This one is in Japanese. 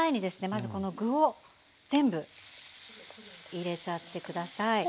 まずこの具を全部入れちゃってください。